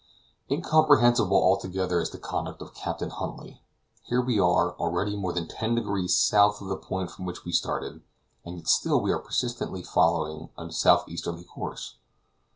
Incomprehensible altogether is the conduct of Captain Huntly. Here we are, already more than ten degrees south of the point from which we started, and yet still we are persistently following a southeasterly course!